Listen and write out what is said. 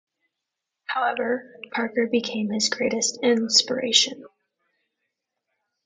However, Parker became his greatest inspiration.